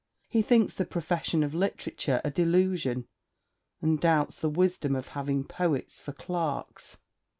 'He thinks the profession of literature a delusion, and doubts the wisdom of having poets for clerks.'